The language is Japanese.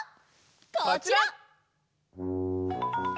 こちら！